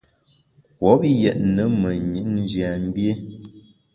Kouop yètne menyit njiamgbié.